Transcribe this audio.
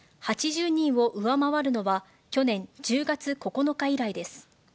８０人を上回るのは、去年１０月９日以来です。